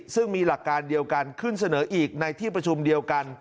ซึ่งมีหลักการเดียวกันขึ้นเสนออีกในที่ประชุมเดียวกัน